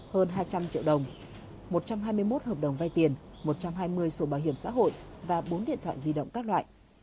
hơn hai trăm linh triệu đồng một trăm hai mươi một hợp đồng vay tiền một trăm hai mươi sổ bảo hiểm xã hội và bốn điện thoại di động các loại